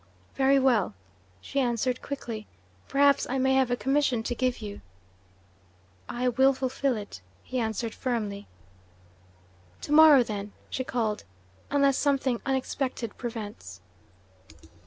"Very well," she answered quickly. "Perhaps I may have a commission to give you." "I will fulfil it," he answered firmly. "To morrow, then," she called, "unless something unexpected prevents."